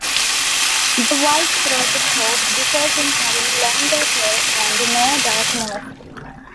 The white-throated hawk differs in having a longer tail and no dark morph.